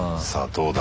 どうだ？